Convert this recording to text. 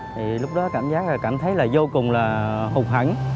thì lúc đó cảm giác là cảm thấy là vô cùng là hùng hẳn